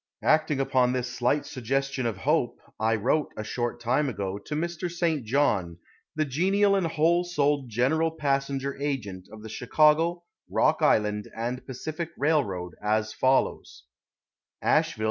Acting upon this slight suggestion of hope, I wrote, a short time ago, to Mr. St. John, the genial and whole souled general passenger agent of the Chicago, Rock Island & Pacific Railroad, as follows: ASHEVILLE, N.